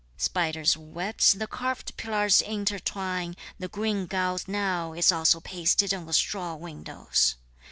Spiders' webs the carved pillars intertwine, The green gauze now is also pasted on the straw windows!